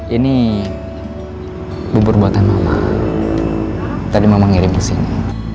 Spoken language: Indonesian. ini bubur buatan mama tadi mama ngirim ke sini